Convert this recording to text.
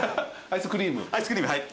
アイスクリームはい。